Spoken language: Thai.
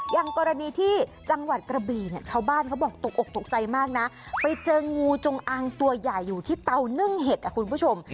อย่างกรณีที่จังหวัดกระบี่เนี่ยชาวบ้านเขาบอกตกอกตกใจมากนะไปเจองูจงอางตัวใหญ่อยู่ที่เตานึ่งเห็ดอ่ะคุณผู้ชม